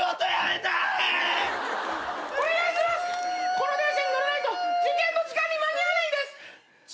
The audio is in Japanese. この電車に乗らないと受験の時間に間に合わないんです。